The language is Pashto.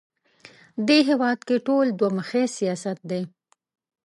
دې هېواد کې ټول دوه مخی سیاست دی